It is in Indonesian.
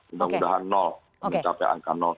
mudah mudahan mencapai angka